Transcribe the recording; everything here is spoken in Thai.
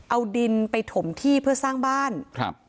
เอาดินไปถมที่เพื่อสร้างบ้านครับ